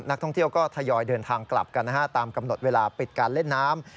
นักท่องเที่ยวก็ทยอยเดินทางกลับกันนะฮะตามกำหนดเวลาปิดการเล่นน้ำ